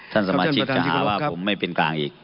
ท่านสมาชิกจะหาว่าผมไม่เป็นกลางอีก